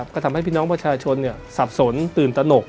ก็ทำให้พี่น้องประชาชนสับสนตื่นตนก